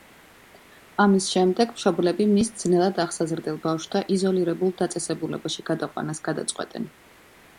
ამის შემდეგ მშობლები მის ძნელად აღსაზრდელ ბავშვთა იზოლირებულ დაწესებულებაში გადაყვანას გადაწყვეტენ.